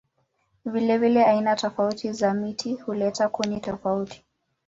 Vilevile aina tofauti za miti huleta kuni tofauti.